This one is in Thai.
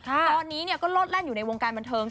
ตอนนี้ก็โลดแล่นอยู่ในวงการบันเทิง